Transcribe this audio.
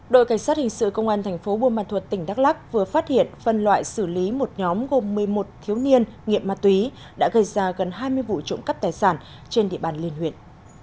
đội cảnh sát hình sự công an thành phố buôn ma thuật tỉnh đắk lắc vừa phát hiện phân loại xử lý một nhóm gồm một mươi một thiếu niên nghiện ma túy đã gây ra gần hai mươi vụ trộm cắp tài sản trên địa bàn liên huyện